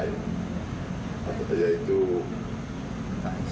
yaitu kaos pelabuhan matisama ks